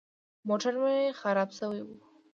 موټر مې خراب سوى و.